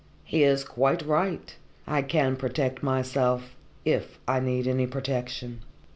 He is quite right I can protect myself if I need any protection."